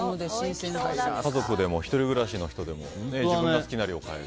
家族でも１人暮らしの人でも自分の好きな量買える。